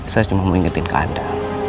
saya cuma mau ingetin ke anda